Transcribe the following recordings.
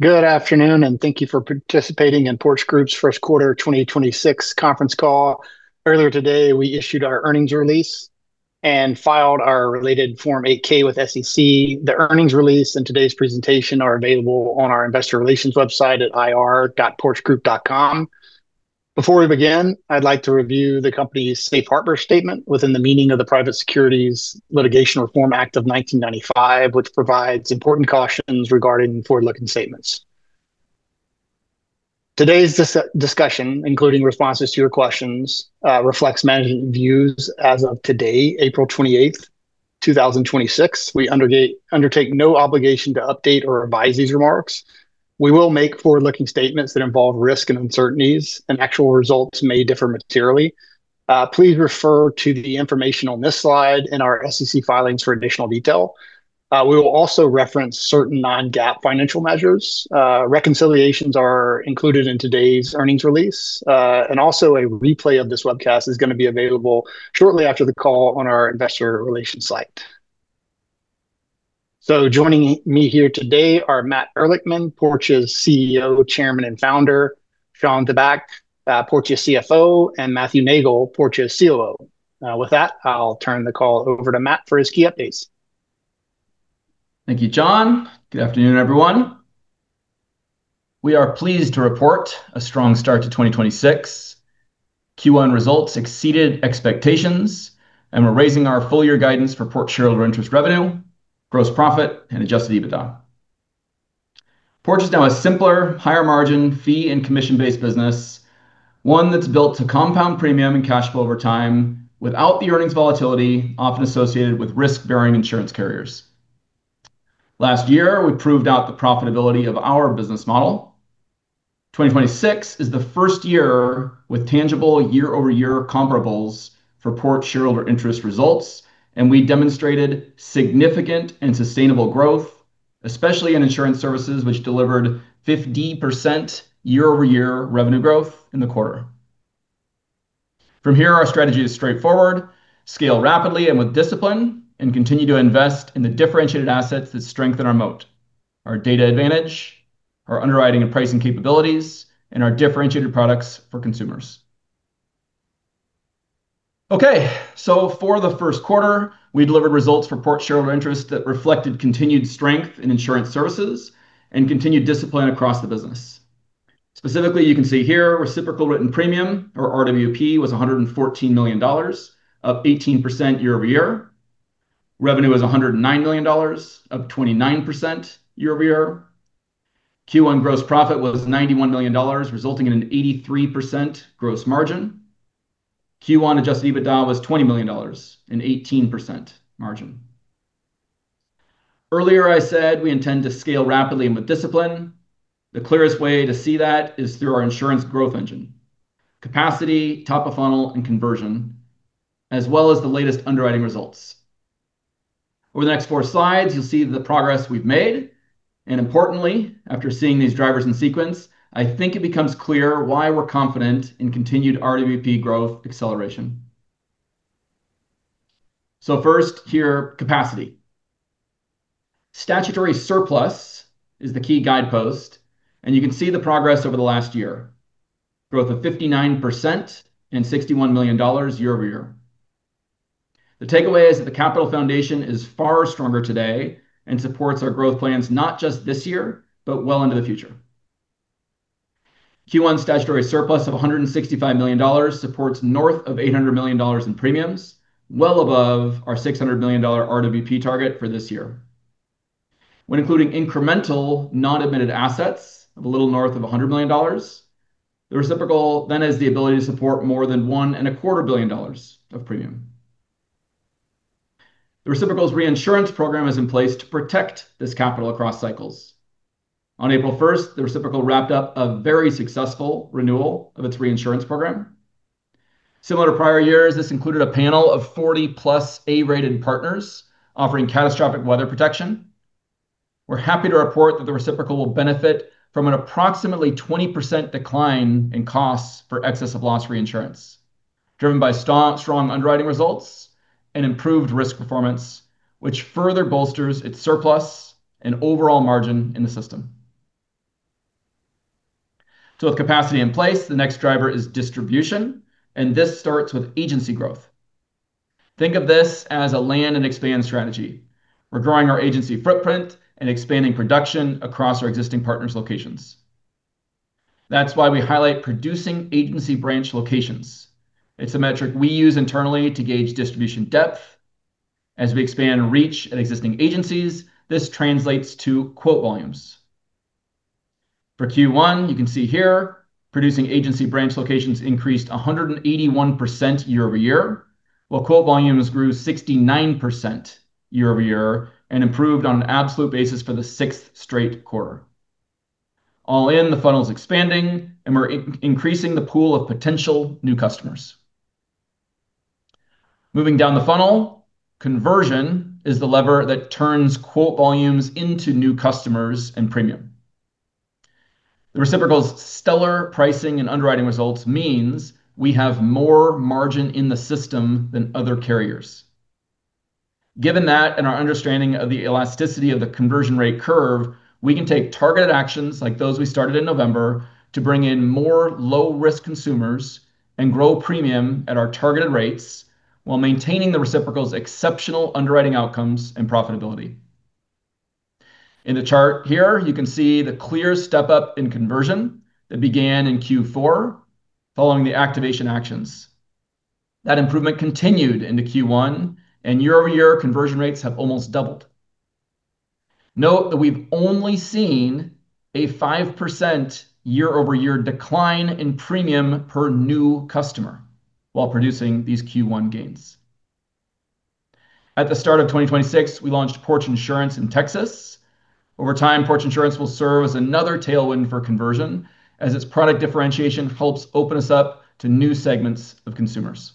Good afternoon, thank you for participating in Porch Group's first quarter 2026 conference call. Earlier today, we issued our earnings release and filed our related Form 8-K with SEC. The earnings release and today's presentation are available on our investor relations website at ir.porchgroup.com. Before we begin, I'd like to review the company's safe harbor statement within the meaning of the Private Securities Litigation Reform Act of 1995, which provides important cautions regarding forward-looking statements. Today's discussion, including responses to your questions, reflects management views as of today, April 28th, 2026. We undertake no obligation to update or revise these remarks. We will make forward-looking statements that involve risk and uncertainties, and actual results may differ materially. Please refer to the information on this slide in our SEC filings for additional detail. We will also reference certain Non-GAAP financial measures. Reconciliations are included in today's earnings release. Also a replay of this webcast is gonna be available shortly after the call on our investor relations site. Joining me here today are Matt Ehrlichman, Porch's CEO, Chairman and Founder; Shawn Tabak, Porch's CFO; and Matthew Neagle, Porch's COO. With that, I'll turn the call over to Matt for his key updates. Thank you, John. Good afternoon, everyone. We are pleased to report a strong start to 2026. Q1 results exceeded expectations, and we're raising our full year guidance for Porch Shareholder Interest revenue, gross profit, and adjusted EBITDA. Porch is now a simpler, higher margin fee and commission-based business, one that's built to compound premium and cash flow over time without the earnings volatility often associated with risk-bearing insurance carriers. Last year, we proved out the profitability of our business model. 2026 is the first year with tangible year-over-year comparables for Porch Shareholder Interest results, and we demonstrated significant and sustainable growth, especially in Insurance Services, which delivered 50% year-over-year revenue growth in the quarter. From here, our strategy is straightforward: scale rapidly and with discipline and continue to invest in the differentiated assets that strengthen our moat, our data advantage, our underwriting and pricing capabilities, and our differentiated products for consumers. Okay. For the first quarter, we delivered results for Porch Shareholder Interest that reflected continued strength in Insurance Services and continued discipline across the business. Specifically, you can see here reciprocal written premium, or RWP, was $114 million, up 18% year-over-year. Revenue was $109 million, up 29% year-over-year. Q1 gross profit was $91 million, resulting in an 83% gross margin. Q1 adjusted EBITDA was $20 million, an 18% margin. Earlier I said we intend to scale rapidly and with discipline. The clearest way to see that is through our insurance growth engine: capacity, top of funnel, and conversion, as well as the latest underwriting results. Over the next four slides, you'll see the progress we've made, and importantly, after seeing these drivers in sequence, I think it becomes clear why we're confident in continued RWP growth acceleration. First here, capacity. Statutory surplus is the key guidepost, and you can see the progress over the last year. Growth of 59% and $61 million year-over-year. The takeaway is that the capital foundation is far stronger today and supports our growth plans, not just this year, but well into the future. Q1 statutory surplus of $165 million supports north of $800 million in premiums, well above our $600 million RWP target for this year. When including incremental non-admitted assets of a little north of $100 million, the reciprocal has the ability to support more than $1.25 billion of premium. The reciprocal's reinsurance program is in place to protect this capital across cycles. On April 1st, the reciprocal wrapped up a very successful renewal of its reinsurance program. Similar to prior years, this included a panel of 40-plus A-rated partners offering catastrophic weather protection. We're happy to report that the reciprocal will benefit from an approximately 20% decline in costs for excess of loss reinsurance, driven by strong underwriting results and improved risk performance, which further bolsters its surplus and overall margin in the system. With capacity in place, the next driver is distribution, and this starts with agency growth. Think of this as a land and expand strategy. We're growing our agency footprint and expanding production across our existing partners' locations. That's why we highlight producing agency branch locations. It's a metric we use internally to gauge distribution depth. As we expand reach at existing agencies, this translates to quote volumes. For Q1, you can see here producing agency branch locations increased 181% year-over-year, while quote volumes grew 69% year-over-year and improved on an absolute basis for the sixth straight quarter. All in, the funnel's expanding, and we're increasing the pool of potential new customers. Moving down the funnel, conversion is the lever that turns quote volumes into new customers and premium. The reciprocal's stellar pricing and underwriting results means we have more margin in the system than other carriers. Given that and our understanding of the elasticity of the conversion rate curve, we can take targeted actions like those we started in November to bring in more low-risk consumers and grow premium at our targeted rates while maintaining the reciprocal's exceptional underwriting outcomes and profitability. In the chart here, you can see the clear step up in conversion that began in Q4 following the activation actions. That improvement continued into Q1, and year-over-year conversion rates have almost doubled. Note that we've only seen a 5% year-over-year decline in premium per new customer while producing these Q1 gains. At the start of 2026, we launched Porch Insurance in Texas. Over time, Porch Insurance will serve as another tailwind for conversion as its product differentiation helps open us up to new segments of consumers.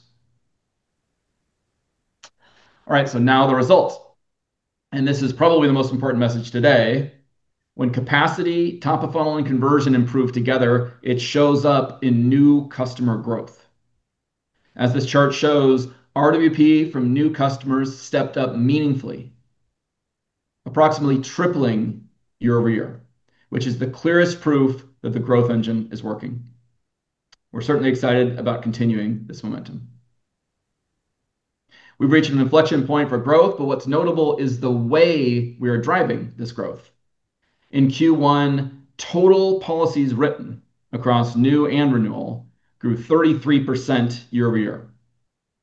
Now the results, this is probably the most important message today. When capacity, top of funnel, and conversion improve together, it shows up in new customer growth. As this chart shows, RWP from new customers stepped up meaningfully, approximately tripling year-over-year, which is the clearest proof that the growth engine is working. We're certainly excited about continuing this momentum. We've reached an inflection point for growth, what's notable is the way we are driving this growth. In Q1, total policies written across new and renewal grew 33% year-over-year.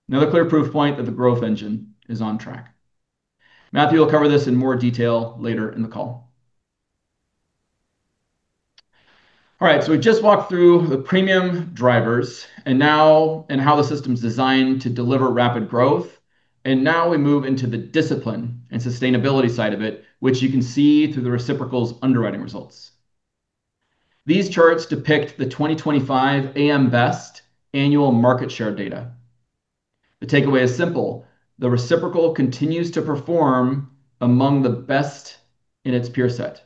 Another clear proof point that the growth engine is on track. Matthew will cover this in more detail later in the call. All right, so we just walked through the premium drivers, and now and how the system's designed to deliver rapid growth. Now we move into the discipline and sustainability side of it, which you can see through the reciprocal's underwriting results. These charts depict the 2025 AM Best annual market share data. The takeaway is simple. The reciprocal continues to perform among the best in its peer set.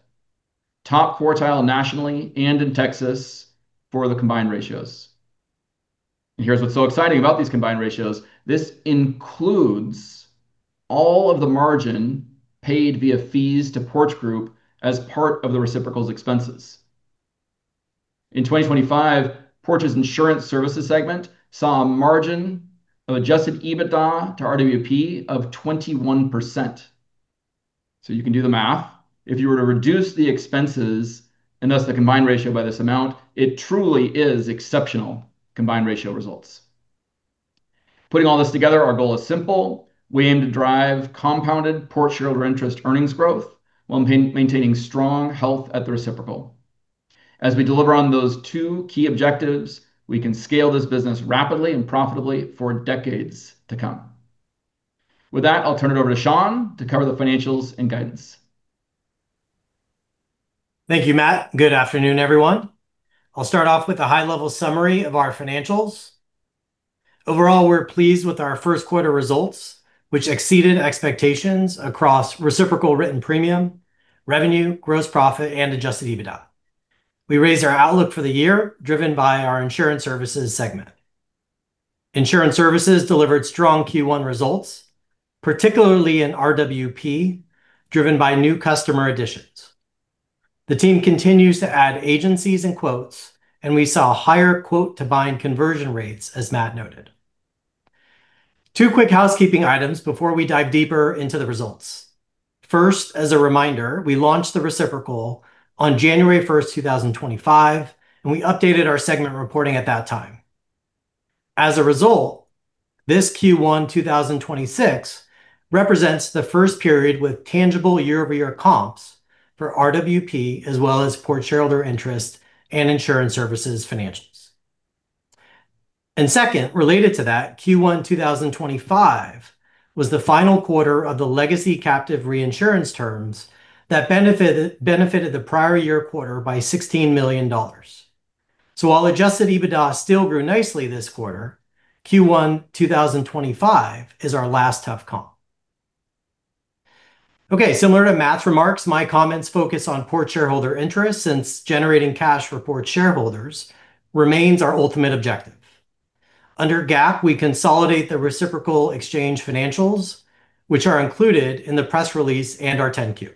Top quartile nationally and in Texas for the combined ratios. Here's what's so exciting about these combined ratios. This includes all of the margin paid via fees to Porch Group as part of the reciprocal's expenses. In 2025, Porch's Insurance Services segment saw a margin of adjusted EBITDA to RWP of 21%. You can do the math. If you were to reduce the expenses and thus the combined ratio by this amount, it truly is exceptional combined ratio results. Putting all this together, our goal is simple. We aim to drive compounded Porch shareholder interest earnings growth while maintaining strong health at the reciprocal. As we deliver on those two key objectives, we can scale this business rapidly and profitably for decades to come. With that, I'll turn it over to Shawn to cover the financials and guidance. Thank you, Matt. Good afternoon, everyone. I'll start off with a high-level summary of our financials. Overall, we're pleased with our first quarter results, which exceeded expectations across reciprocal written premium, revenue, gross profit, and adjusted EBITDA. Insurance Services delivered strong Q1 results, particularly in RWP, driven by new customer additions. The team continues to add agencies and quotes, and we saw higher quote-to-bind conversion rates, as Matt noted. Two quick housekeeping items before we dive deeper into the results. First, as a reminder, we launched the reciprocal on January 1st, 2025, and we updated our segment reporting at that time. As a result, this Q1 2026 represents the first period with tangible year-over-year comps for RWP, as well as Porch Shareholder Interest and Insurance Services financials. Second, related to that, Q1 2025 was the final quarter of the legacy captive reinsurance terms that benefited the prior year quarter by $16 million. While adjusted EBITDA still grew nicely this quarter, Q1 2025 is our last tough comp. Okay. Similar to Matt's remarks, my comments focus on Porch Shareholder Interest since generating cash for Porch shareholders remains our ultimate objective. Under GAAP, we consolidate the reciprocal exchange financials, which are included in the press release and our 10-Q.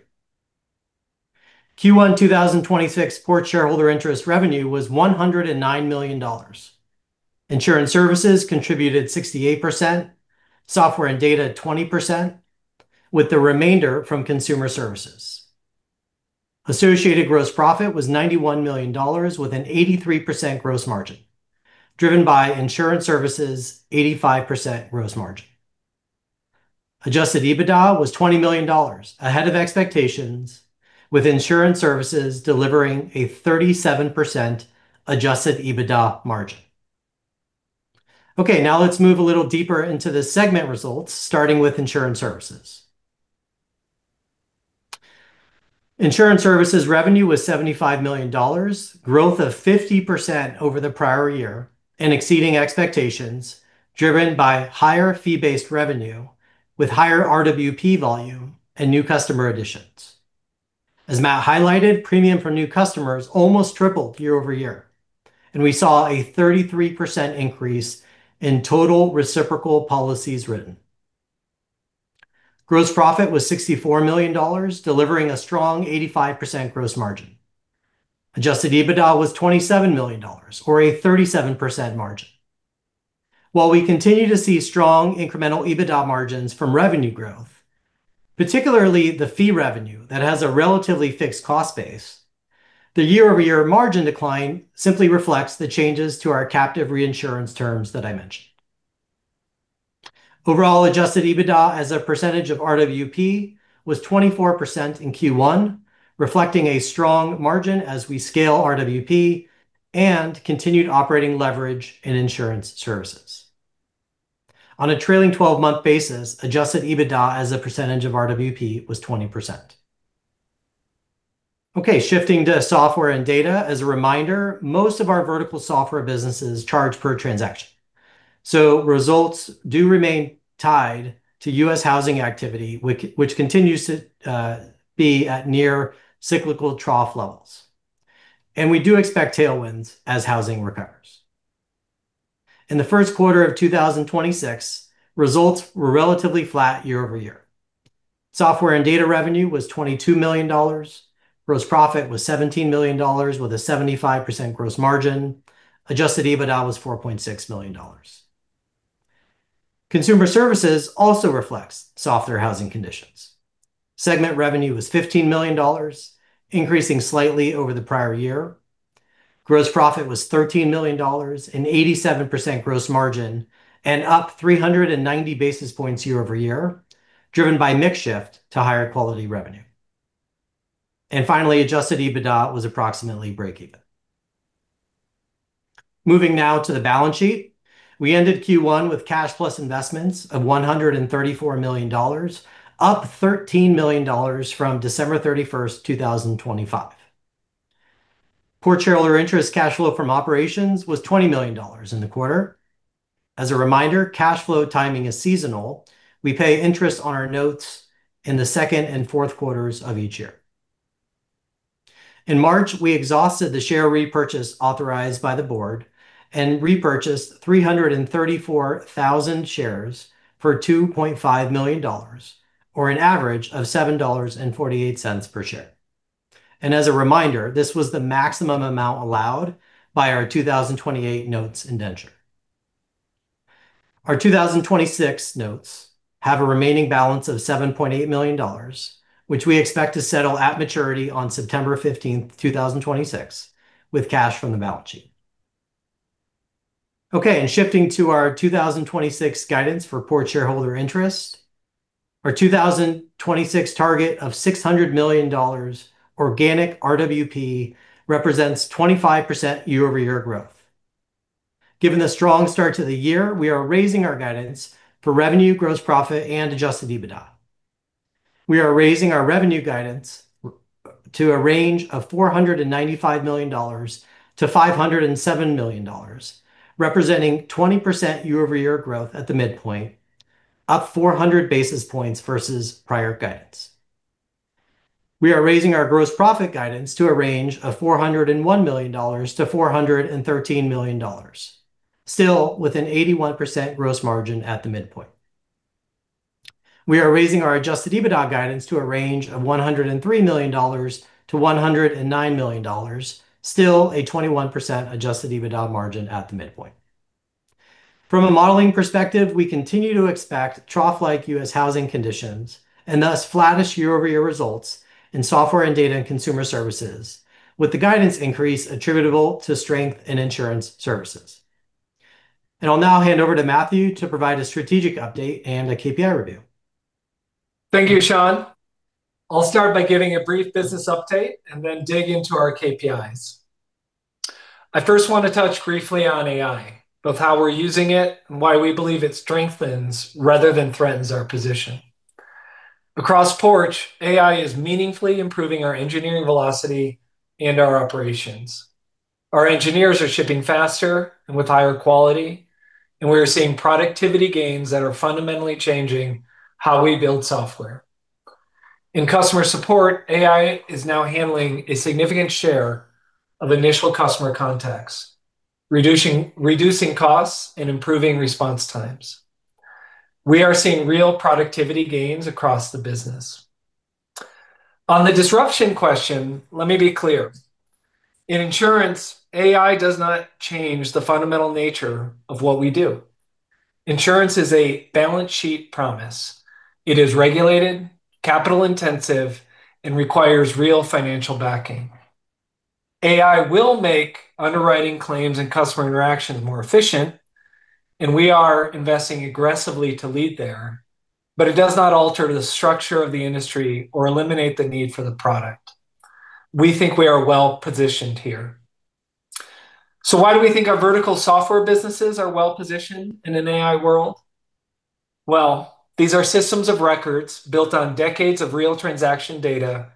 Q1 2026 Porch Shareholder Interest revenue was $109 million. Insurance Services contributed 68%, Software and Data 20%, with the remainder from Consumer Services. Associated gross profit was $91 million with an 83% gross margin, driven by Insurance Services' 85% gross margin. Adjusted EBITDA was $20 million, ahead of expectations with Insurance Services delivering a 37% adjusted EBITDA margin. Okay. Now let's move a little deeper into the segment results, starting with Insurance Services. Insurance Services revenue was $75 million, growth of 50% over the prior year and exceeding expectations driven by higher fee-based revenue with higher RWP volume and new customer additions. As Matt highlighted, premium for new customers almost tripled year over year, and we saw a 33% increase in total reciprocal policies written. Gross profit was $64 million, delivering a strong 85% gross margin. Adjusted EBITDA was $27 million or a 37% margin. While we continue to see strong incremental adjusted EBITDA margins from revenue growth, particularly the fee revenue that has a relatively fixed cost base, the year-over-year margin decline simply reflects the changes to our captive reinsurance terms that I mentioned. Overall, adjusted EBITDA as a percentage of RWP was 24% in Q1, reflecting a strong margin as we scale RWP and continued operating leverage in Insurance Services. On a trailing twelve-month basis, adjusted EBITDA as a percentage of RWP was 20%. Shifting to Software and Data. As a reminder, most of our vertical software businesses charge per transaction. Results do remain tied to U.S. housing activity, which continues to be at near cyclical trough levels. We do expect tailwinds as housing recovers. In the first quarter of 2026, results were relatively flat year-over-year. Software and Data revenue was $22 million. Gross profit was $17 million with a 75% gross margin. adjusted EBITDA was $4.6 million. Consumer Services also reflects softer housing conditions. Segment revenue was $15 million, increasing slightly over the prior year. Gross profit was $13 million, an 87% gross margin, and up 390 basis points year-over-year, driven by mix shift to higher quality revenue. Finally, adjusted EBITDA was approximately breakeven. Moving now to the balance sheet. We ended Q1 with cash plus investments of $134 million, up $13 million from December 31st, 2025. Porch Shareholder Interest cash flow from operations was $20 million in the quarter. As a reminder, cash flow timing is seasonal. We pay interest on our notes in the second and fourth quarters of each year. In March, we exhausted the share repurchase authorized by the board and repurchased 334,000 shares for $2.5 million, or an average of $7.48 per share. As a reminder, this was the maximum amount allowed by our 2028 notes indenture. Our 2026 notes have a remaining balance of $7.8 million, which we expect to settle at maturity on September 15th, 2026, with cash from the balance sheet. Shifting to our 2026 guidance for Porch Shareholder Interest. Our 2026 target of $600 million organic RWP represents 25% year-over-year growth. Given the strong start to the year, we are raising our guidance for revenue, gross profit, and adjusted EBITDA. We are raising our revenue guidance to a range of $495 million-$507 million, representing 20% year-over-year growth at the midpoint, up 400 basis points versus prior guidance. We are raising our gross profit guidance to a range of $401 million-$413 million, still with an 81% gross margin at the midpoint. We are raising our adjusted EBITDA guidance to a range of $103 million-$109 million, still a 21% adjusted EBITDA margin at the midpoint. From a modeling perspective, we continue to expect trough-like U.S. housing conditions and thus flattish year-over-year results in Software and Data and Consumer Services, with the guidance increase attributable to strength in Insurance Services. I'll now hand over to Matthew to provide a strategic update and a KPI review. Thank you, Shawn. I'll start by giving a brief business update and then dig into our KPIs. I first want to touch briefly on AI, both how we're using it and why we believe it strengthens rather than threatens our position. Across Porch, AI is meaningfully improving our engineering velocity and our operations. Our engineers are shipping faster and with higher quality, we are seeing productivity gains that are fundamentally changing how we build software. In customer support, AI is now handling a significant share of initial customer contacts, reducing costs and improving response times. We are seeing real productivity gains across the business. On the disruption question, let me be clear. In insurance, AI does not change the fundamental nature of what we do. Insurance is a balance sheet promise. It is regulated, capital intensive, and requires real financial backing. AI will make underwriting claims and customer interactions more efficient, and we are investing aggressively to lead there, but it does not alter the structure of the industry or eliminate the need for the product. We think we are well-positioned here. Why do we think our vertical software businesses are well-positioned in an AI world? Well, these are systems of records built on decades of real transaction data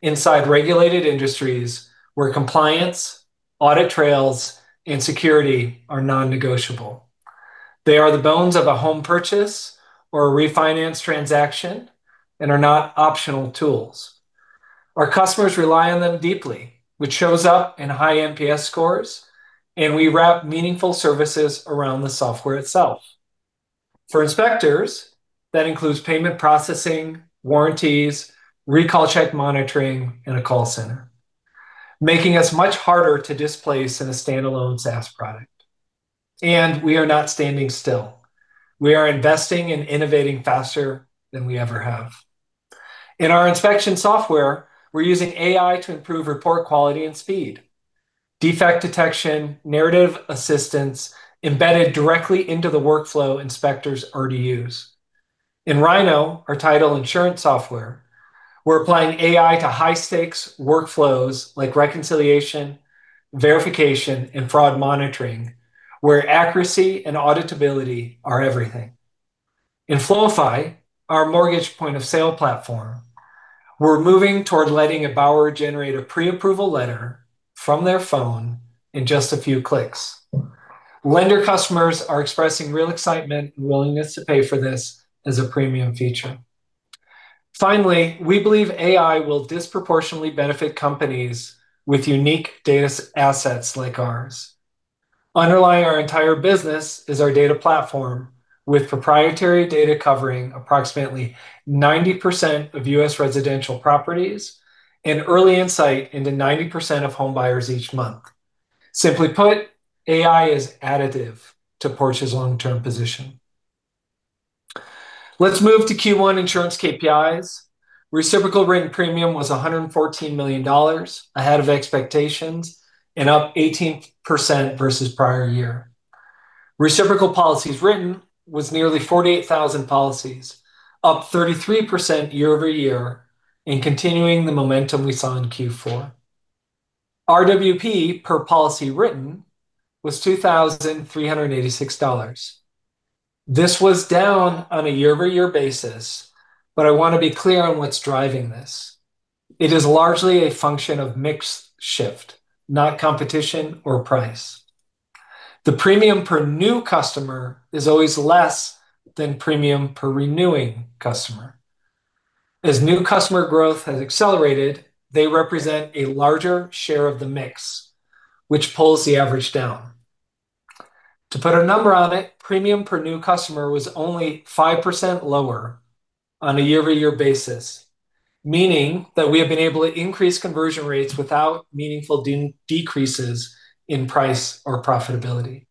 inside regulated industries where compliance, audit trails, and security are non-negotiable. They are the bones of a home purchase or a refinance transaction, and are not optional tools. Our customers rely on them deeply, which shows up in high NPS scores, and we wrap meaningful services around the software itself. For inspectors, that includes payment processing, warranties, recall check monitoring, and a call center, making us much harder to displace than a standalone SaaS product. We are not standing still. We are investing and innovating faster than we ever have. In our inspection software, we are using AI to improve report quality and speed, defect detection, narrative assistance embedded directly into the workflow inspectors already use. In Rynoh, our title insurance software, we are applying AI to high-stakes workflows like reconciliation, verification, and fraud monitoring, where accuracy and auditability are everything. In Floify, our mortgage point-of-sale platform, we are moving toward letting a borrower generate a pre-approval letter from their phone in just a few clicks. Lender customers are expressing real excitement and willingness to pay for this as a premium feature. Finally, we believe AI will disproportionately benefit companies with unique data assets like ours. Underlying our entire business is our data platform, with proprietary data covering approximately 90% of U.S. residential properties and early insight into 90% of home buyers each month. Simply put, AI is additive to Porch's long-term position. Let's move to Q1 insurance KPIs. Reciprocal written premium was $114 million, ahead of expectations, and up 18% versus prior year. Reciprocal policies written was nearly 48,000 policies, up 33% year-over-year, and continuing the momentum we saw in Q4. RWP per policy written was $2,386. This was down on a year-over-year basis, I wanna be clear on what's driving this. It is largely a function of mix shift, not competition or price. The premium per new customer is always less than premium per renewing customer. As new customer growth has accelerated, they represent a larger share of the mix, which pulls the average down. To put a number on it, premium per new customer was only 5% lower on a year-over-year basis, meaning that we have been able to increase conversion rates without meaningful decreases in price or profitability.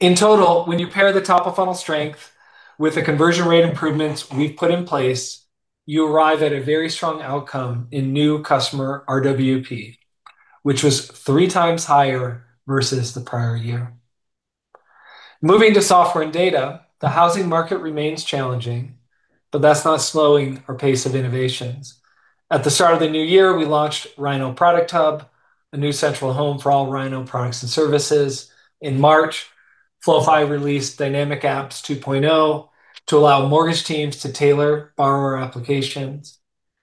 In total, when you pair the top of funnel strength with the conversion rate improvements we've put in place, you arrive at a very strong outcome in new customer RWP, which was 3 times higher versus the prior year. Moving to Software and Data, the housing market remains challenging, That's not slowing our pace of innovations. At the start of the new year, we launched Rynoh Product Hub, a new central home for all Rynoh products and services. In March, Floify released Dynamic Apps 2.0 to allow mortgage teams to tailor borrower applications.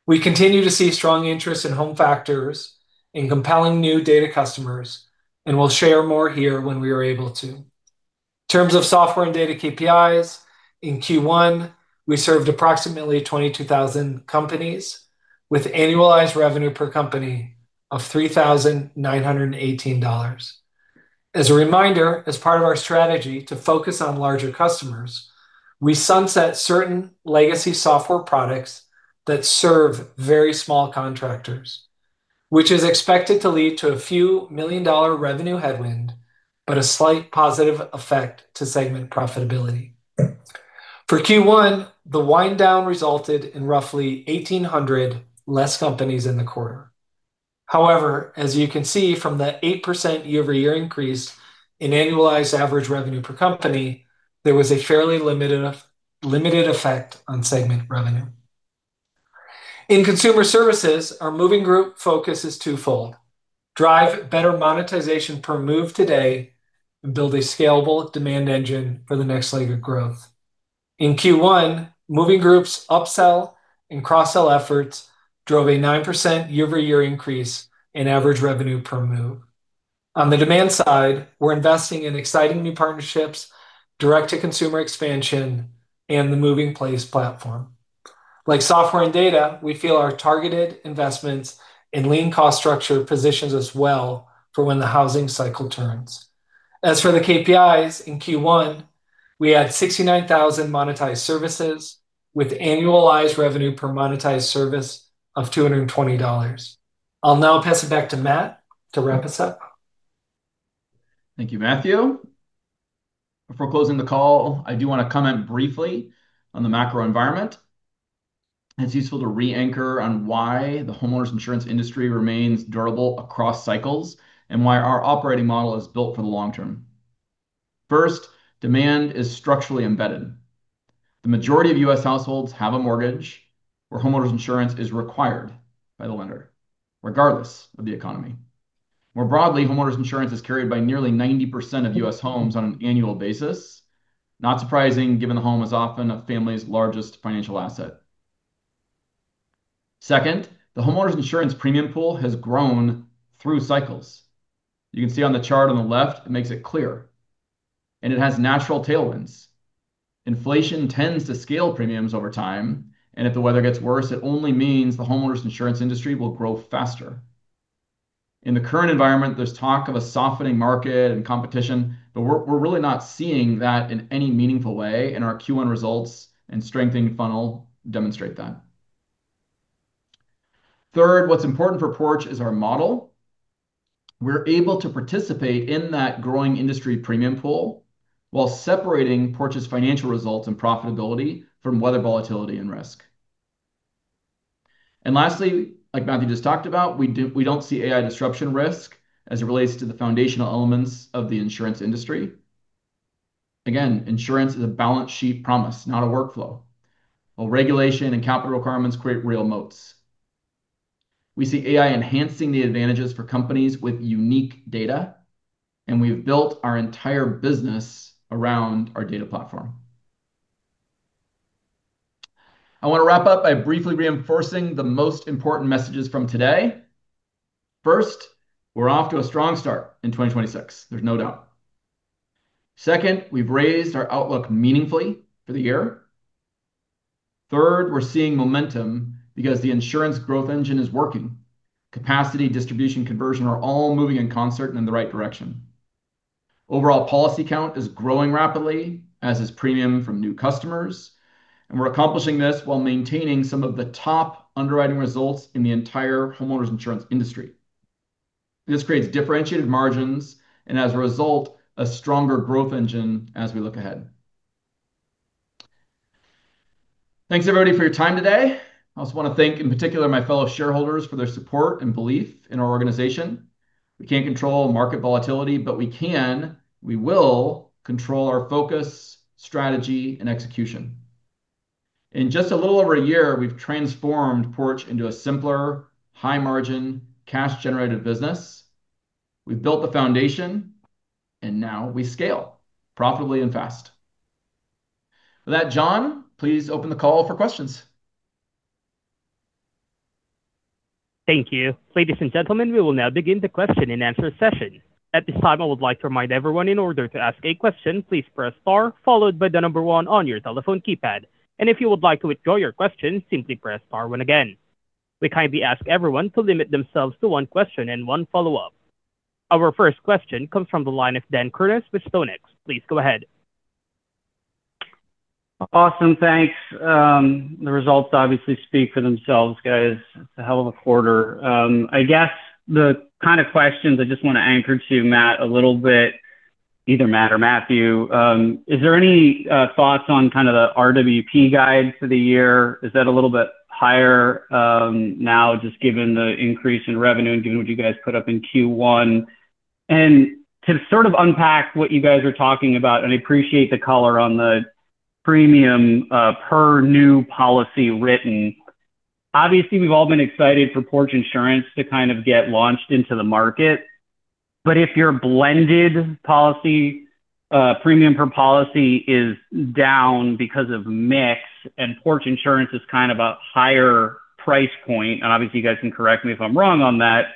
We continue to see strong interest in Home Factors, in compelling new data customers, and we'll share more here when we are able to. In terms of Software and Data KPIs, in Q1, we served approximately 22,000 companies with annualized revenue per company of $3,918. As a reminder, as part of our strategy to focus on larger customers, we sunset certain legacy software products that serve very small contractors, which is expected to lead to a few million-dollar revenue headwind, but a slight positive effect to segment profitability. For Q1, the wind down resulted in roughly 1,800 less companies in the quarter. As you can see from the 8% year-over-year increase in annualized average revenue per company, there was a fairly limited effect on segment revenue. In Consumer Services, our Moving Group focus is twofold: Drive better monetization per move today, and build a scalable demand engine for the next leg of growth. In Q1, Moving Group's upsell and cross-sell efforts drove a 9% year-over-year increase in average revenue per move. On the demand side, we're investing in exciting new partnerships, direct-to-consumer expansion, and the MovingPlace platform. Like Software and Data, we feel our targeted investments and lean cost structure positions us well for when the housing cycle turns. As for the KPIs in Q1, we had 69,000 monetized services with annualized revenue per monetized service of $220. I'll now pass it back to Matt to wrap us up. Thank you, Matthew. Before closing the call, I do wanna comment briefly on the macro environment. It's useful to re-anchor on why the homeowners insurance industry remains durable across cycles and why our operating model is built for the long term. First, demand is structurally embedded. The majority of U.S. households have a mortgage where homeowners insurance is required by the lender, regardless of the economy. More broadly, homeowners insurance is carried by nearly 90% of U.S. homes on an annual basis. Not surprising, given the home is often a family's largest financial asset. Second, the homeowners insurance premium pool has grown through cycles. You can see on the chart on the left, it makes it clear. It has natural tailwinds. Inflation tends to scale premiums over time, and if the weather gets worse, it only means the homeowners insurance industry will grow faster. In the current environment, there's talk of a softening market and competition, but we're really not seeing that in any meaningful way, and our Q1 results and strengthening funnel demonstrate that. Third, what's important for Porch is our model. We're able to participate in that growing industry premium pool while separating Porch's financial results and profitability from weather volatility and risk. Lastly, like Matthew just talked about, we don't see AI disruption risk as it relates to the foundational elements of the insurance industry. Again, insurance is a balance sheet promise, not a workflow, while regulation and capital requirements create real moats. We see AI enhancing the advantages for companies with unique data, and we've built our entire business around our data platform. I wanna wrap up by briefly reinforcing the most important messages from today. First, we're off to a strong start in 2026. There's no doubt. Second, we've raised our outlook meaningfully for the year. Third, we're seeing momentum because the insurance growth engine is working. Capacity, distribution, conversion are all moving in concert and in the right direction. Overall policy count is growing rapidly, as is premium from new customers, and we're accomplishing this while maintaining some of the top underwriting results in the entire homeowners insurance industry. This creates differentiated margins and, as a result, a stronger growth engine as we look ahead. Thanks everybody for your time today. I also wanna thank, in particular, my fellow shareholders for their support and belief in our organization. We can't control market volatility, but we can, we will control our focus, strategy, and execution. In just a little over a year, we've transformed Porch into a simpler, high-margin, cash-generated business. We've built the foundation, and now we scale profitably and fast. With that, John, please open the call for questions. Thank you. Ladies and gentlemen, we will now begin the question and answer session. At this time, I would like to remind everyone, in order to ask a question, please press star followed by 1 on your telephone keypad. If you would like to withdraw your question, simply press star 1 again. We kindly ask everyone to limit themselves to 1 question and 1 follow-up. Our first question comes from the line of Daniel Kurnos with StoneX. Please go ahead. Awesome. Thanks. The results obviously speak for themselves, guys. It's a hell of a quarter. I guess the kind of questions I just wanna anchor to Matt a little bit, either Matt or Matthew, is there any thoughts on kind of the RWP guide for the year? Is that a little bit higher now just given the increase in revenue and given what you guys put up in Q1? To sort of unpack what you guys are talking about, and I appreciate the color on the premium per new policy written. Obviously, we've all been excited for Porch Insurance to kind of get launched into the market. If your blended policy, premium per policy is down because of mix and Porch Insurance is kind of a higher price point, and obviously you guys can correct me if I'm wrong on that,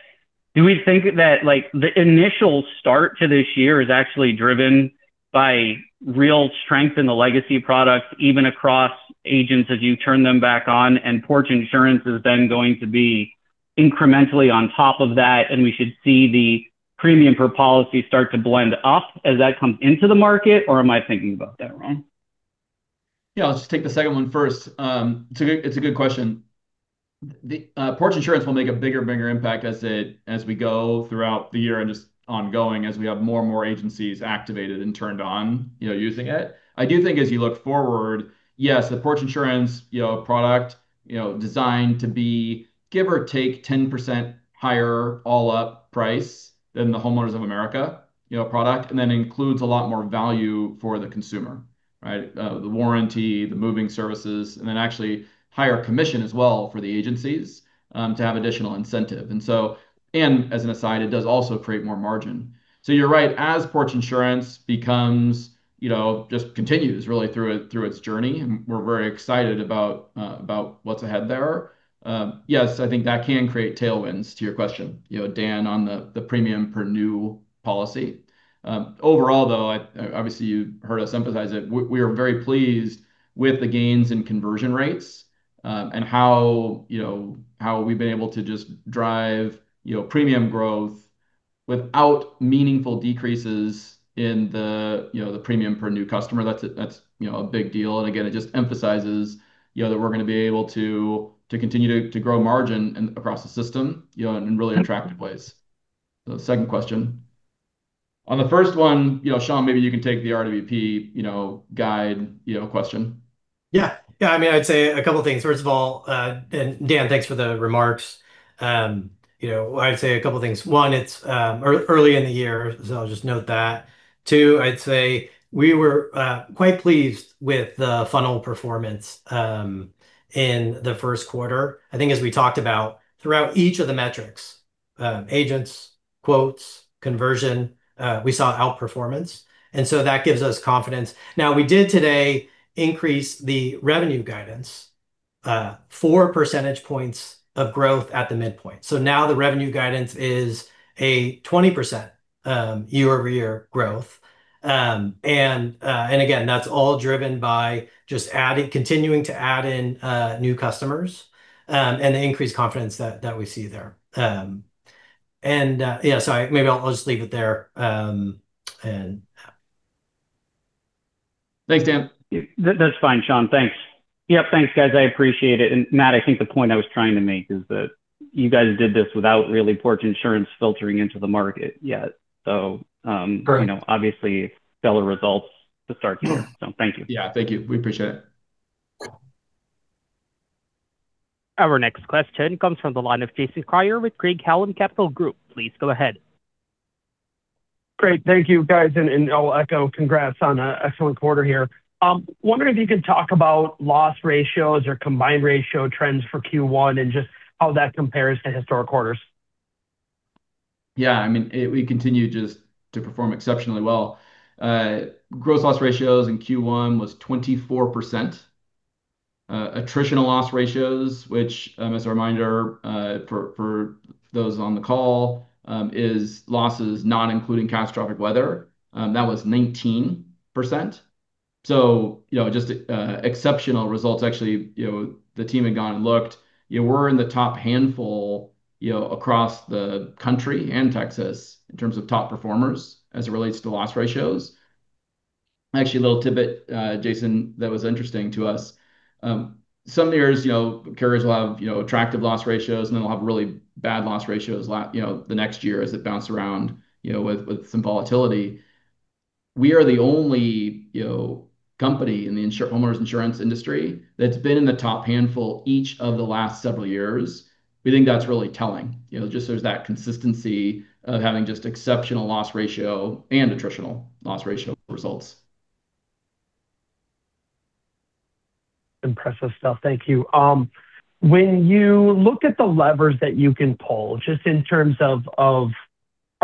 do we think that, like, the initial start to this year is actually driven by real strength in the legacy products, even across agents as you turn them back on, and Porch Insurance is then going to be incrementally on top of that, and we should see the premium per policy start to blend up as that comes into the market? Or am I thinking about that wrong? Yeah, I'll just take the second one first. It's a good question. The Porch Insurance will make a bigger and bigger impact as we go throughout the year and just ongoing as we have more and more agencies activated and turned on, you know, using it. I do think as you look forward, yes, the Porch Insurance, you know, product, you know, designed to be give or take 10% higher all-up price than the Homeowners of America, you know, product, and that includes a lot more value for the consumer, right? The warranty, the moving services, and then actually higher commission as well for the agencies to have additional incentive. As an aside, it does also create more margin. You're right. As Porch Insurance becomes, you know, just continues really through its journey, we're very excited about what's ahead there. Yes, I think that can create tailwinds to your question, you know, Dan, on the premium per new policy. Overall, though, I, obviously you heard us emphasize it, we are very pleased with the gains in conversion rates, and how, you know, we've been able to just drive, you know, premium growth without meaningful decreases in the, you know, premium per new customer. That's, you know, a big deal. Again, it just emphasizes, you know, that we're gonna be able to continue to grow margin and across the system, you know, in really attractive ways. Second question. On the first one, you know, Shawn, maybe you can take the RWP, you know, guide, you know, question. Yeah. Yeah, I mean, I'd say a couple things. First of all, Dan, thanks for the remarks. You know, I'd say a couple things. One, it's early in the year, so I'll just note that. Two, I'd say we were quite pleased with the funnel performance in the first quarter. I think as we talked about throughout each of the metrics. Agents, quotes, conversion, we saw outperformance. That gives us confidence. Now, we did today increase the revenue guidance, 4 percentage points of growth at the midpoint. Now the revenue guidance is a 20% year-over-year growth. Again, that's all driven by just adding, continuing to add in new customers and the increased confidence that we see there. Yeah, sorry. Maybe I'll just leave it there, and yeah. Thanks, Dan. That's fine, Shawn. Thanks. Yep, thanks, guys. I appreciate it. Matt, I think the point I was trying to make is that you guys did this without really Porch Insurance filtering into the market yet. Correct. You know, obviously stellar results to start the year. Thank you. Yeah. Thank you. We appreciate it. Our next question comes from the line of Jason Kreyer with Craig-Hallum Capital Group. Please go ahead. Great. Thank you, guys. I'll echo congrats on an excellent quarter here. Wondering if you could talk about loss ratios or combined ratio trends for Q1 and just how that compares to historic quarters? Yeah, I mean, we continue just to perform exceptionally well. Gross loss ratios in Q1 was 24%. Attritional loss ratios, which, as a reminder, for those on the call, is losses not including catastrophic weather, that was 19%. You know, just exceptional results. Actually, you know, the team had gone and looked. You know, we're in the top handful, you know, across the country and Texas in terms of top performers as it relates to loss ratios. Actually, a little tidbit, Jason, that was interesting to us. Some years, you know, carriers will have, you know, attractive loss ratios, and they'll have really bad loss ratios, you know, the next year as it bounce around, you know, with some volatility. We are the only, you know, company in the homeowners insurance industry that's been in the top handful each of the last several years. We think that's really telling. You know, just there's that consistency of having just exceptional loss ratio and attritional loss ratio results. Impressive stuff. Thank you. When you look at the levers that you can pull, just in terms of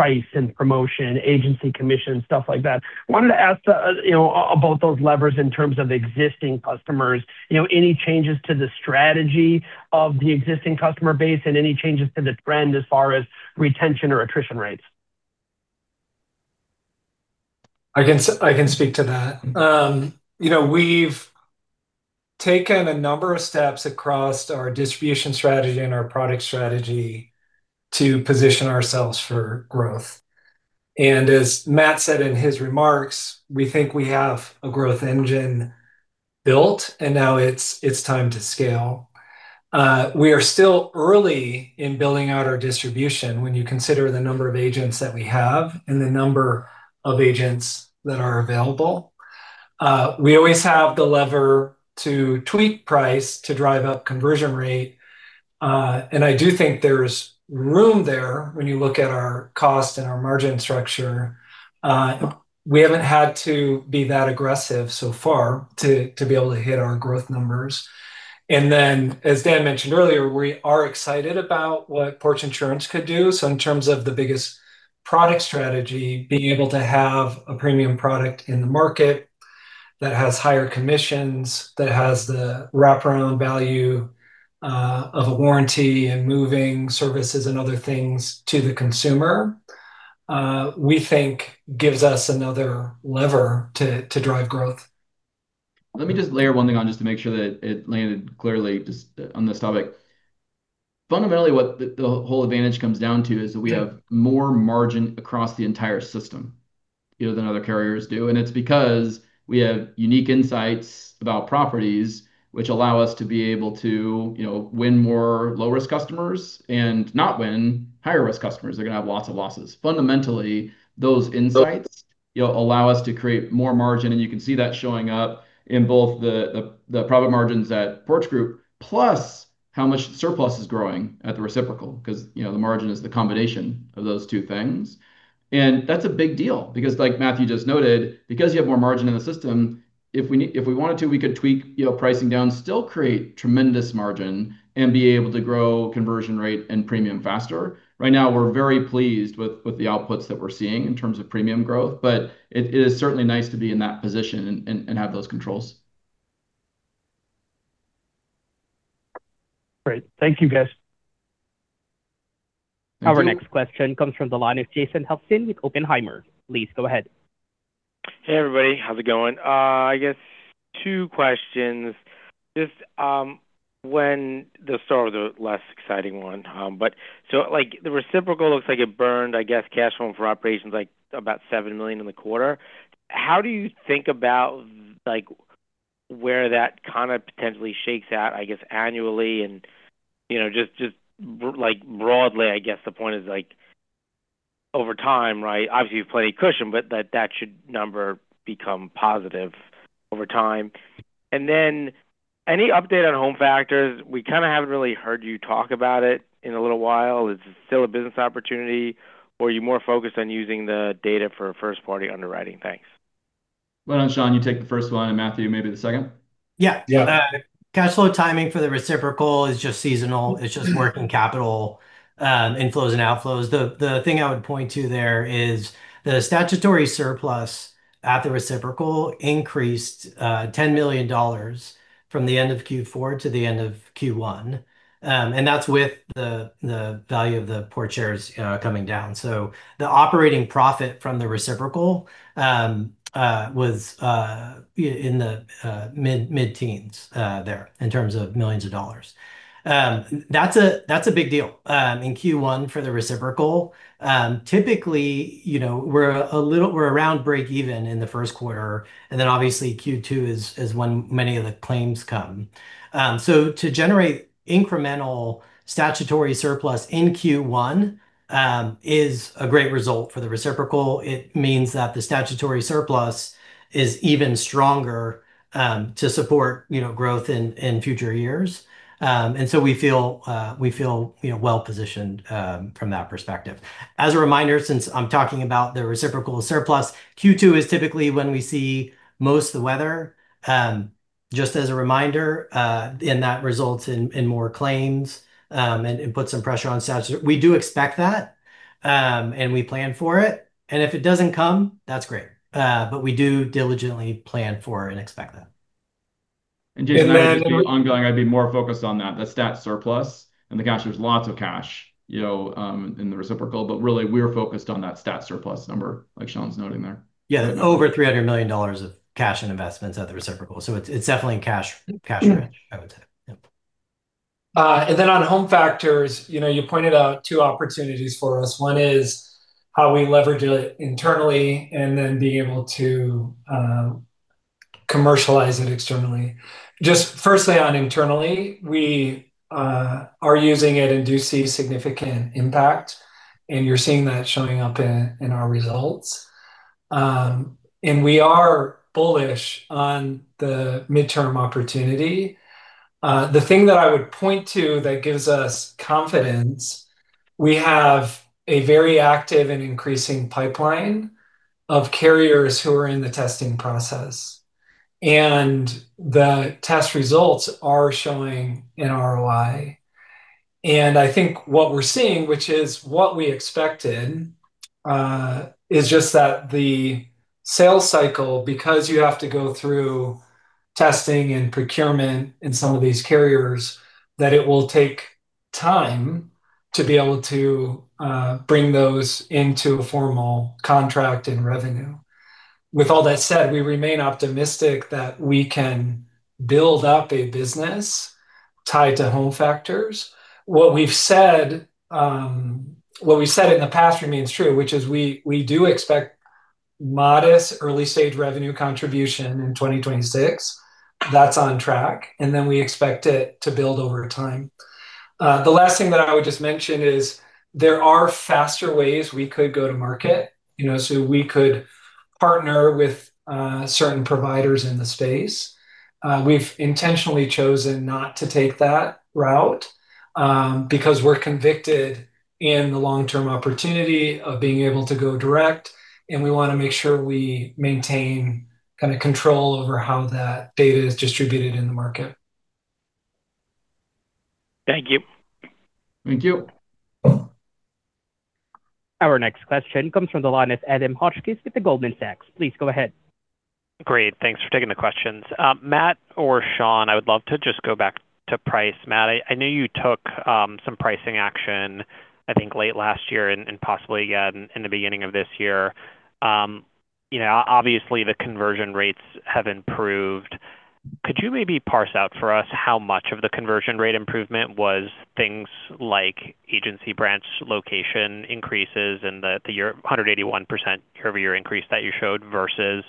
of price and promotion, agency commission, stuff like that, wanted to ask, you know, about those levers in terms of existing customers. You know, any changes to the strategy of the existing customer base and any changes to the trend as far as retention or attrition rates? I can speak to that. you know, we've taken a number of steps across our distribution strategy and our product strategy to position ourselves for growth. As Matt said in his remarks, we think we have a growth engine built, and now it's time to scale. We are still early in building out our distribution when you consider the number of agents that we have and the number of agents that are available. We always have the lever to tweak price to drive up conversion rate. I do think there's room there when you look at our cost and our margin structure. We haven't had to be that aggressive so far to be able to hit our growth numbers. As Dan mentioned earlier, we are excited about what Porch Insurance could do. In terms of the biggest product strategy, being able to have a premium product in the market that has higher commissions, that has the wraparound value of a warranty and moving services and other things to the consumer, we think gives us another lever to drive growth. Let me just layer one thing on just to make sure that it landed clearly just on this topic. Fundamentally, what the whole advantage comes down to is that we have more margin across the entire system, you know, than other carriers do. It's because we have unique insights about properties which allow us to be able to, you know, win more low-risk customers and not win higher-risk customers. They're gonna have lots of losses. Fundamentally, those insights, you know, allow us to create more margin, and you can see that showing up in both the profit margins at Porch Group, plus how much surplus is growing at the reciprocal 'cause, you know, the margin is the combination of those two things. That's a big deal because like Matthew Neagle just noted, because you have more margin in the system, if we wanted to, we could tweak, you know, pricing down, still create tremendous margin and be able to grow conversion rate and premium faster. Right now, we're very pleased with the outputs that we're seeing in terms of premium growth, but it is certainly nice to be in that position and have those controls. Great. Thank you, guys. Our next question comes from the line of Jason Helfstein with Oppenheimer. Please go ahead. Hey, everybody. How's it going? I guess two questions. Just, they'll start with the less exciting one. So, like, the reciprocal looks like it burned, I guess, cash flowing for operations, like, about $7 million in the quarter. How do you think about, like, where that kind of potentially shakes out, I guess, annually and, you know, just, like, broadly, I guess the point is, like, over time, right? Obviously, you've plenty of cushion, but that should number become positive over time. Then any update on Home Factors? We kinda haven't really heard you talk about it in a little while. Is it still a business opportunity, or are you more focused on using the data for first-party underwriting? Thanks. Why don't, Shawn, you take the first one and Matthew, maybe the second? Yeah. Yeah. Cash flow timing for the reciprocal is just seasonal. It's just working capital, inflows and outflows. The thing I would point to there is the statutory surplus at the reciprocal increased $10 million from the end of Q4 to the end of Q1. That's with the value of the Porch shares coming down. The operating profit from the reciprocal was in the mid-teens there, in terms of millions of dollars. That's a big deal in Q1 for the reciprocal. Typically, you know, we're around breakeven in the first quarter, obviously Q2 is when many of the claims come. To generate incremental statutory surplus in Q1 is a great result for the reciprocal. It means that the statutory surplus is even stronger, to support, you know, growth in future years. We feel, you know, well-positioned, from that perspective. As a reminder, since I'm talking about the reciprocal surplus, Q2 is typically when we see most of the weather, just as a reminder, and that results in more claims, and puts some pressure on stats. We do expect that, and we plan for it, and if it doesn't come, that's great. We do diligently plan for and expect that. Jason, that would be ongoing. I'd be more focused on that stat surplus and the cash. There's lots of cash, you know, in the reciprocal, but really we're focused on that stat surplus number, like Shawn's noting there. Over $300 million of cash and investments at the reciprocal. It's definitely in cash rich, I would say. On Home Factors, you know, you pointed out two opportunities for us. One is how we leverage it internally and then being able to commercialize it externally. Firstly on internally, we are using it and do see significant impact, and you're seeing that showing up in our results. We are bullish on the midterm opportunity. The thing that I would point to that gives us confidence, we have a very active and increasing pipeline of carriers who are in the testing process, and the test results are showing an ROI. I think what we're seeing, which is what we expected, is just that the sales cycle, because you have to go through testing and procurement in some of these carriers, that it will take time to be able to bring those into a formal contract and revenue. With all that said, we remain optimistic that we can build up a business tied to Home Factors. What we've said in the past remains true, which is we do expect modest early-stage revenue contribution in 2026. That's on track, and then we expect it to build over time. The last thing that I would just mention is there are faster ways we could go to market, you know, so we could partner with certain providers in the space. We've intentionally chosen not to take that route because we're convicted in the long-term opportunity of being able to go direct, and we wanna make sure we maintain kinda control over how that data is distributed in the market. Thank you. Thank you. Our next question comes from the line with Adam Hotchkiss with Goldman Sachs. Please go ahead. Great. Thanks for taking the questions. Matt or Shawn, I would love to just go back to price. Matt, I know you took some pricing action, I think, late last year and possibly again in the beginning of this year. You know, obviously the conversion rates have improved. Could you maybe parse out for us how much of the conversion rate improvement was things like agency branch location increases and the 181% year-over-year increase that you showed versus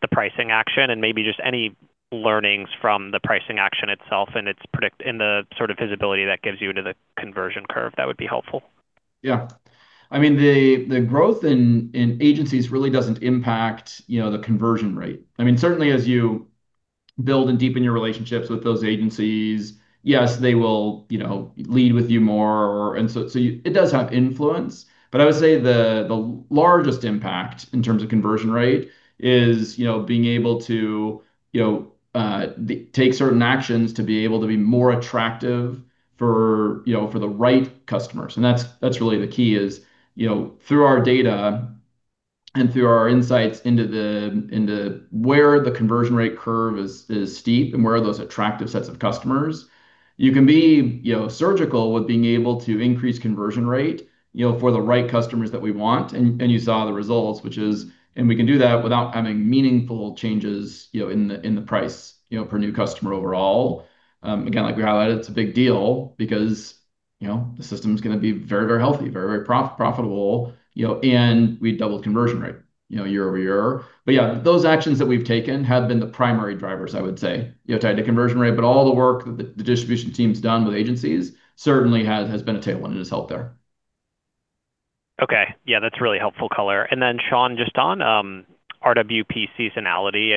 the pricing action? Maybe just any learnings from the pricing action itself and its and the sort of visibility that gives you into the conversion curve, that would be helpful. Yeah. I mean, the growth in agencies really doesn't impact, you know, the conversion rate. I mean, certainly as you build and deepen your relationships with those agencies, yes, they will, you know, lead with you more. It does have influence. I would say the largest impact in terms of conversion rate is, you know, being able to, you know, take certain actions to be able to be more attractive for, you know, for the right customers. That's, that's really the key is, you know, through our data and through our insights into the, into where the conversion rate curve is steep and where are those attractive sets of customers, you can be, you know, surgical with being able to increase conversion rate, you know, for the right customers that we want. You saw the results, and we can do that without having meaningful changes, you know, in the price, you know, per new customer overall. Again, like we highlighted, it's a big deal because, you know, the system's gonna be very, very healthy, very, very profitable, you know, and we doubled conversion rate, you know, year-over-year. Yeah, those actions that we've taken have been the primary drivers, I would say, you know, tied to conversion rate. All the work that the distribution team's done with agencies certainly has been a tailwind and has helped there. Okay. Yeah, that's really helpful color. Shawn, just on RWP seasonality,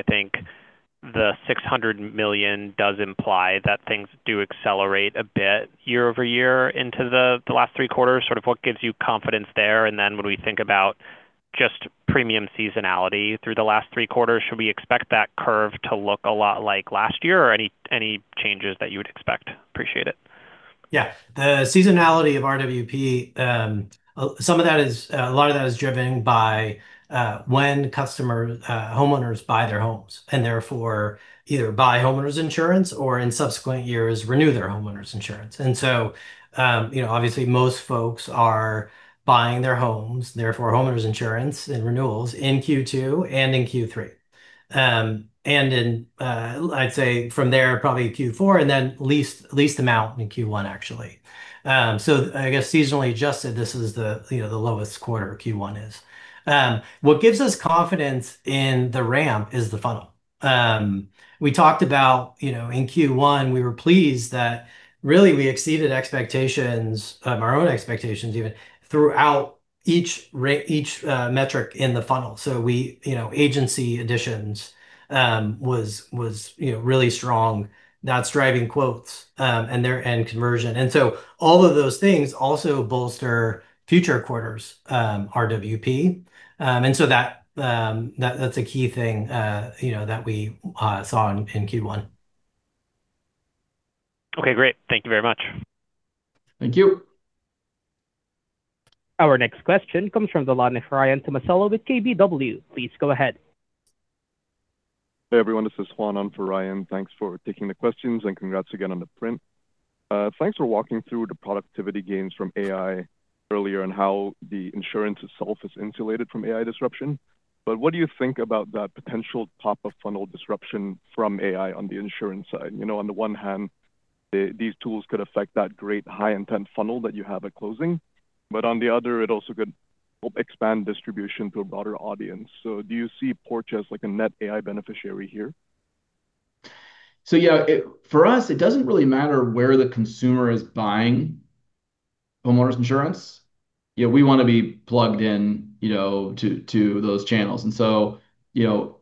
the $600 million does imply that things do accelerate a bit year-over-year into the last three quarters. Sort of what gives you confidence there? When we think about just premium seasonality through the last three quarters, should we expect that curve to look a lot like last year? Or any changes that you would expect? Appreciate it. Yeah. The seasonality of RWP, some of that is, a lot of that is driven by when customer homeowners buy their homes, and therefore either buy homeowners insurance or in subsequent years renew their homeowners insurance. Obviously, most folks are buying their homes, therefore homeowners insurance and renewals in Q2 and in Q3. In, I'd say from there, probably Q4, and then least amount in Q1, actually. I guess seasonally adjusted, this is, you know, the lowest quarter Q1 is. What gives us confidence in the ramp is the funnel. We talked about, you know, in Q1, we were pleased that really we exceeded expectations, our own expectations even, throughout each metric in the funnel. We, you know, agency additions, was, you know, really strong. That's driving quotes, and there, and conversion. All of those things also bolster future quarters', RWP. That's a key thing, you know, that we saw in Q1. Okay, great. Thank you very much. Thank you. Our next question comes from the line of Ryan Tomasello with KBW. Please go ahead. Hey, everyone. This is Juan on for Ryan. Thanks for taking the questions and congrats again on the print. Thanks for walking through the productivity gains from AI earlier and how the insurance itself is insulated from AI disruption. What do you think about that potential top-of-funnel disruption from AI on the insurance side? You know, on the one hand, these tools could affect that great high-intent funnel that you have at closing. On the other, it also could help expand distribution to a broader audience. Do you see Porch as like a net AI beneficiary here? Yeah, it for us, it doesn't really matter where the consumer is buying homeowners insurance. You know, we wanna be plugged in, you know, to those channels. You know,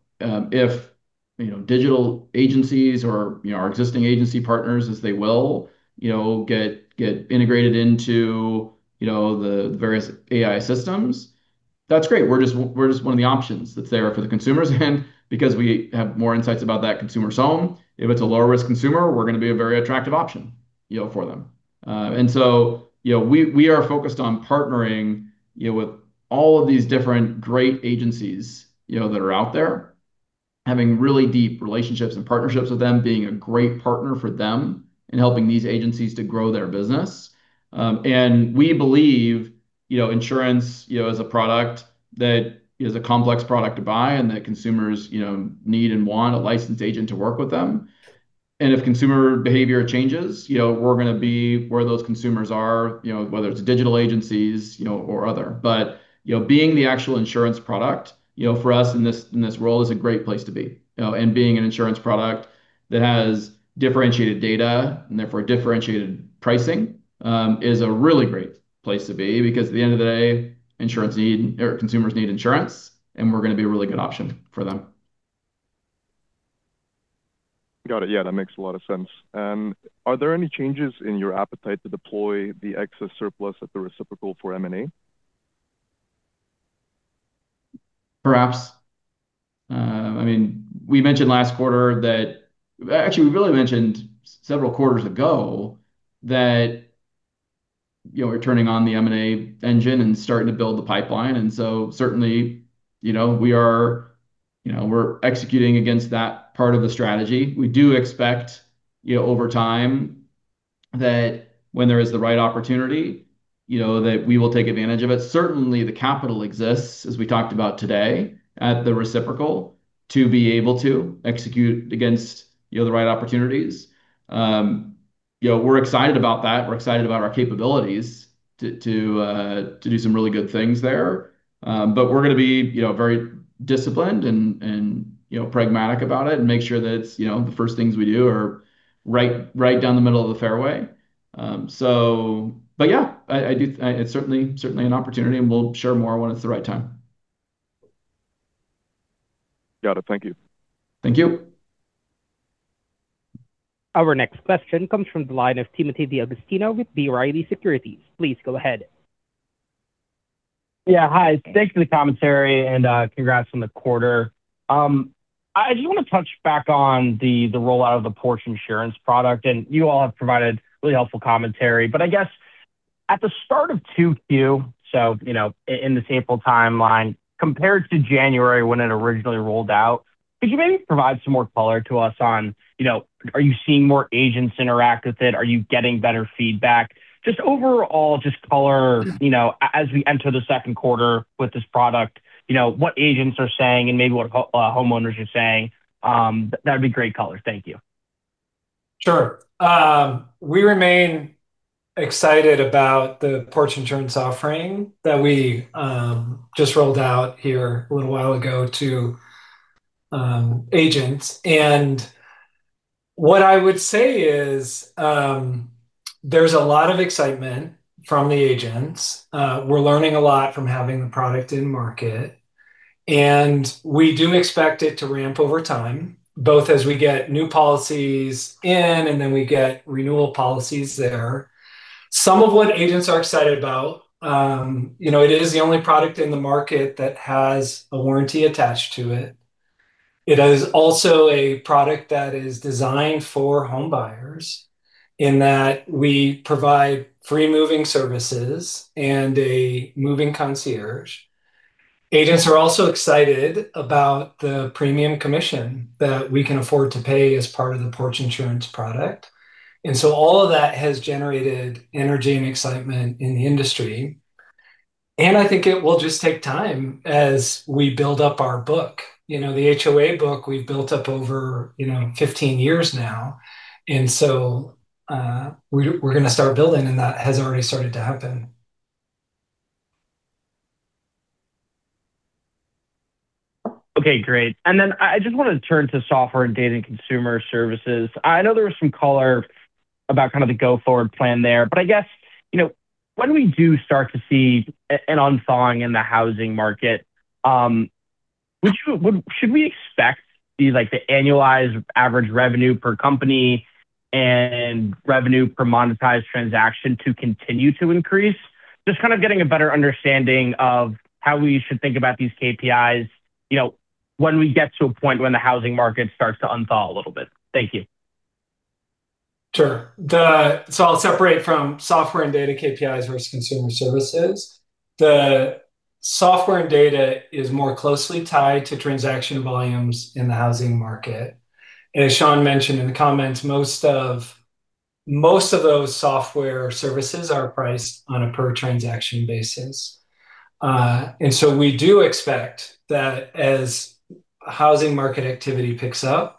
if, you know, digital agencies or, you know, our existing agency partners as they will, you know, get integrated into, you know, the various AI systems, that's great. We're just one of the options that's there for the consumers. Because we have more insights about that consumer, so if it's a lower risk consumer, we're gonna be a very attractive option, you know, for them. You know, we are focused on partnering, you know, with all of these different great agencies, you know, that are out there, having really deep relationships and partnerships with them, being a great partner for them in helping these agencies to grow their business. We believe, you know, insurance, you know, is a product that is a complex product to buy and that consumers, you know, need and want a licensed agent to work with them. If consumer behavior changes, you know, we're gonna be where those consumers are, you know, whether it's digital agencies, you know, or other. You know, being the actual insurance product, you know, for us in this, in this role is a great place to be. You know, being an insurance product that has differentiated data and therefore differentiated pricing, is a really great place to be because at the end of the day, consumers need insurance, and we're gonna be a really good option for them. Got it. That makes a lot of sense. Are there any changes in your appetite to deploy the excess surplus at the reciprocal for M&A? Perhaps. I mean, we mentioned last quarter that actually, we really mentioned several quarters ago that, you know, we're turning on the M&A engine and starting to build the pipeline. Certainly, you know, we're executing against that part of the strategy. We do expect, you know, over time that when there is the right opportunity, you know, that we will take advantage of it. Certainly, the capital exists, as we talked about today, at the reciprocal to be able to execute against, you know, the right opportunities. You know, we're excited about that. We're excited about our capabilities to do some really good things there. We're gonna be, you know, very disciplined and, you know, pragmatic about it and make sure that, you know, the first things we do are right down the middle of the fairway. Yeah, I do, it's certainly an opportunity, and we'll share more when it's the right time. Got it. Thank you. Thank you. Our next question comes from the line of Timothy D'Agostino with B. Riley Securities. Please go ahead. Yeah. Hi. Thanks for the commentary and congrats on the quarter. I just want to touch back on the rollout of the Porch Insurance product, and you all have provided really helpful commentary. I guess at the start of Q2, so, you know, in the sample timeline, compared to January when it originally rolled out, could you maybe provide some more color to us on, you know, are you seeing more agents interact with it? Are you getting better feedback? Just overall color? Yeah. You know, as we enter the second quarter with this product, you know, what agents are saying and maybe what homeowners are saying. That'd be great color. Thank you. Sure. We remain excited about the Porch Insurance offering that we just rolled out here a little while ago to agents. What I would say is, there's a lot of excitement from the agents. We're learning a lot from having the product in market. We do expect it to ramp over time, both as we get new policies in and then we get renewal policies there. Some of what agents are excited about, you know, it is the only product in the market that has a warranty attached to it. It is also a product that is designed for homebuyers in that we provide free moving services and a moving concierge. Agents are also excited about the premium commission that we can afford to pay as part of the Porch Insurance product. All of that has generated energy and excitement in the industry. I think it will just take time as we build up our book. You know, the HOA book we've built up over, you know, 15 years now. We, we're gonna start building, and that has already started to happen. Okay, great. I just wanted to turn to Software and Data and Consumer Services. I know there was some color about kind of the go-forward plan there. I guess, you know, when we do start to see an unthawing in the housing market, should we expect these, like, the annualized average revenue per company and revenue per monetized transaction to continue to increase? Just kind of getting a better understanding of how we should think about these KPIs, you know, when we get to a point when the housing market starts to unthaw a little bit. Thank you. Sure. I'll separate from Software and Data KPIs versus Consumer Services. The Software and Data is more closely tied to transaction volumes in the housing market. As Shawn mentioned in the comments, most of those software services are priced on a per transaction basis. So we do expect that as housing market activity picks up,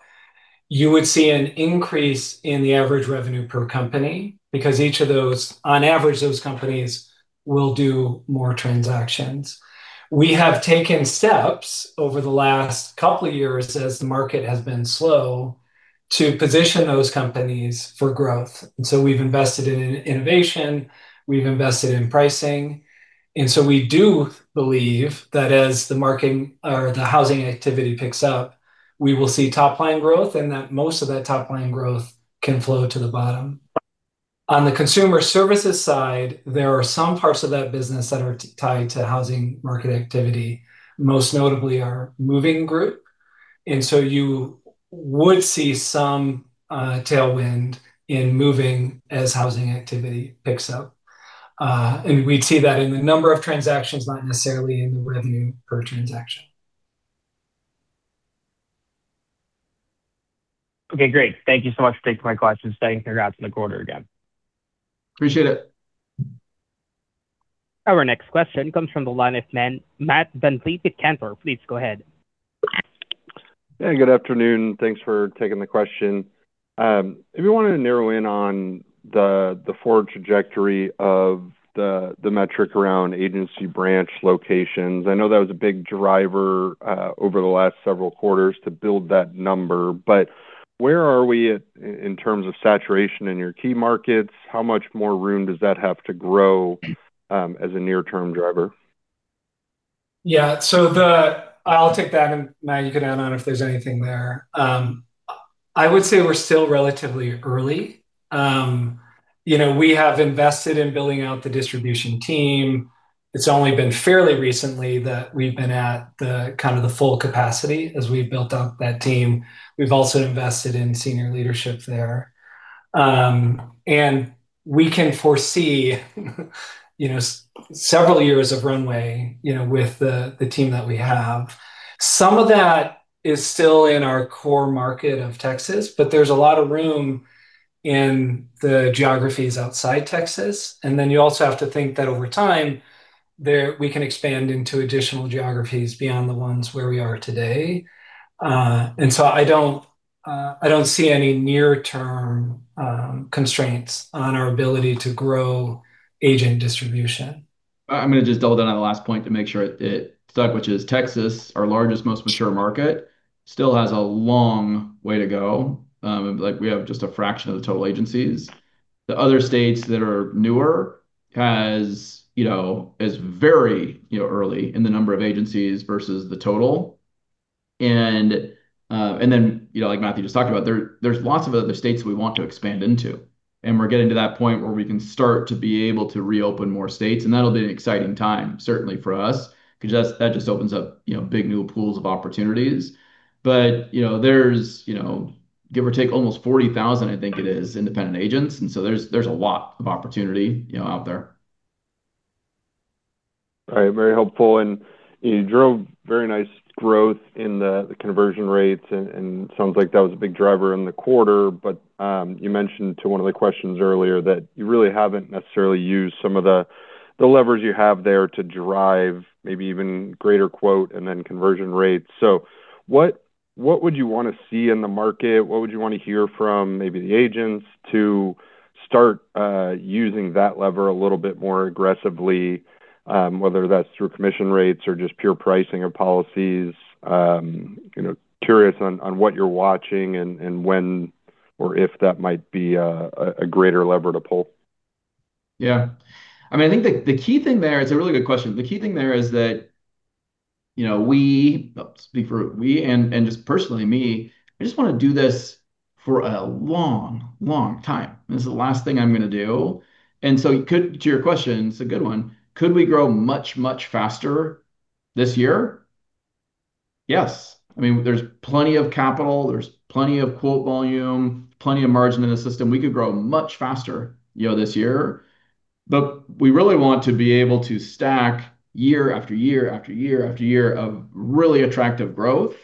you would see an increase in the average revenue per company because each of those, on average, those companies will do more transactions. We have taken steps over the last couple of years as the market has been slow to position those companies for growth. So we've invested in innovation, we've invested in pricing. So we do believe that as the housing activity picks up, we will see top-line growth and that most of that top-line growth can flow to the bottom. On the Consumer Services side, there are some parts of that business that are tied to housing market activity, most notably our Moving Group. You would see some tailwind in moving as housing activity picks up. We'd see that in the number of transactions, not necessarily in the revenue per transaction. Okay, great. Thank you so much for taking my questions. Thanks. Congrats on the quarter again. Appreciate it. Our next question comes from the line of Matt VanVliet at Cantor. Please go ahead. Yeah, good afternoon. Thanks for taking the question. If you wanted to narrow in on the forward trajectory of the metric around agency branch locations. I know that was a big driver over the last several quarters to build that number. Where are we at in terms of saturation in your key markets? How much more room does that have to grow as a near-term driver? Yeah. I'll take that, and Matt, you can add on if there's anything there. I would say we're still relatively early. You know, we have invested in building out the distribution team. It's only been fairly recently that we've been at the kind of the full capacity as we've built up that team. We've also invested in senior leadership there. We can foresee, you know, several years of runway, you know, with the team that we have. Some of that is still in our core market of Texas, but there's a lot of room in the geographies outside Texas. You also have to think that over time, we can expand into additional geographies beyond the ones where we are today. I don't see any near-term constraints on our ability to grow agent distribution. I'm gonna just double down on the last point to make sure it stuck, which is Texas, our largest, most mature market, still has a long way to go. Like, we have just a fraction of the total agencies. The other states that are newer has, you know, is very, you know, early in the number of agencies versus the total. Then, you know, like Matthew just talked about, there's lots of other states we want to expand into. We're getting to that point where we can start to be able to reopen more states, and that'll be an exciting time certainly for us 'cause that just opens up, you know, big new pools of opportunities. But, you know, there's, you know, give or take, almost 40,000, I think it is, independent agents. There's a lot of opportunity, you know, out there. All right. Very helpful. You drove very nice growth in the conversion rates and sounds like that was a big driver in the quarter. You mentioned to one of the questions earlier that you really haven't necessarily used some of the levers you have there to drive maybe even greater quote and then conversion rates. What would you wanna see in the market? What would you wanna hear from maybe the agents to start using that lever a little bit more aggressively, whether that's through commission rates or just pure pricing or policies. You know, curious on what you're watching and when or if that might be a greater lever to pull. Yeah. I mean, I think the key thing there. It's a really good question. The key thing there is that, you know, I'll speak for we and just personally me, I just wanna do this for a long, long time. This is the last thing I'm gonna do. To your question, it's a good one. Could we grow much faster this year? Yes. I mean, there's plenty of capital, there's plenty of quote volume, plenty of margin in the system. We could grow much faster, you know, this year. We really want to be able to stack year after year after year after year of really attractive growth,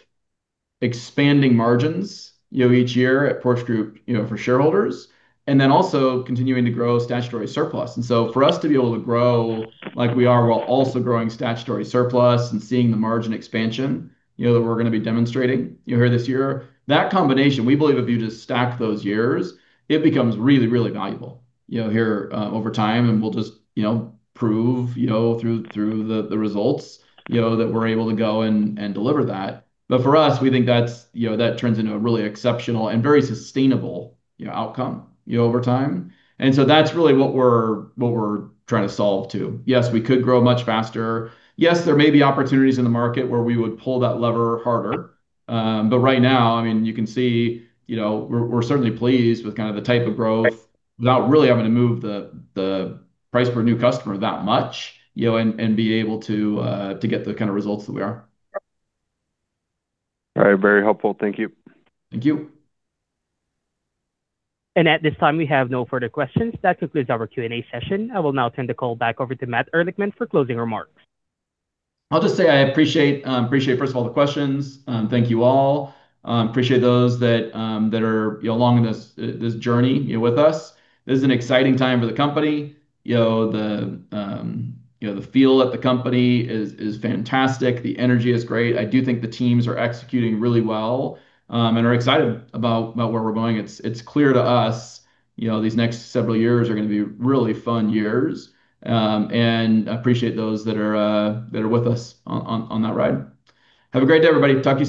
expanding margins, you know, each year at Porch Group, you know, for shareholders, and then also continuing to grow statutory surplus. For us to be able to grow like we are while also growing statutory surplus and seeing the margin expansion, you know, that we're gonna be demonstrating, you know, here this year, that combination, we believe if you just stack those years, it becomes really, really valuable, you know, here over time. We'll just, you know, prove, you know, through the results, you know, that we're able to go and deliver that. For us, we think that's, you know, that turns into a really exceptional and very sustainable, you know, outcome, you know, over time. That's really what we're trying to solve too. Yes, we could grow much faster. Yes, there may be opportunities in the market where we would pull that lever harder. Right now, I mean, you can see, you know, we're certainly pleased with kind of the type of growth without really having to move the price per new customer that much, you know, and be able to get the kind of results that we are. All right. Very helpful. Thank you. Thank you. At this time, we have no further questions. That concludes our Q&A session. I will now turn the call back over to Matt Ehrlichman for closing remarks. I'll just say I appreciate, first of all, the questions. Thank you all. Appreciate those that are, you know, along this journey, you know, with us. This is an exciting time for the company. You know, the, you know, the feel at the company is fantastic. The energy is great. I do think the teams are executing really well, and are excited about where we're going. It's clear to us, you know, these next several years are gonna be really fun years. Appreciate those that are, that are with us on that ride. Have a great day, everybody.